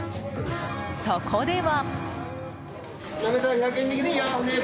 そこでは。